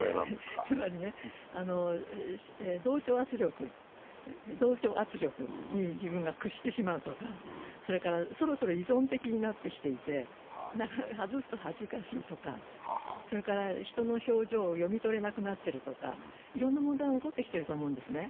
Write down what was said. つまり同調圧力に自分が屈してしまうとか、それからそろそろ依存的になってきていて、外すと恥ずかしいとか、人の表情を読み取れなくなってるとかいろんな問題が起こってきていると思うんですね。